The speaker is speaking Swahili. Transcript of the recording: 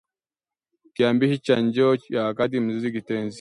kiambishi cha njeo ya wakati na mzizi kitenzi